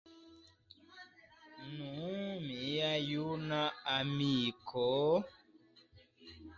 Nu, mia juna amiko!